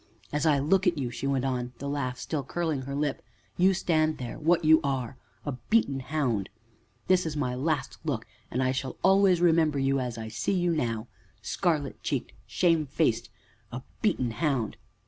"As I look at you," she went on, the laugh still curling her lip, "you stand there what you are a beaten hound. This is my last look, and I shall always remember you as I see you now scarlet cheeked, shamefaced a beaten hound!"